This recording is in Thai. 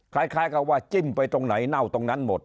คล้ายกับว่าจิ้มไปตรงไหนเน่าตรงนั้นหมด